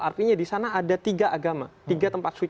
artinya di sana ada tiga agama tiga tempat suci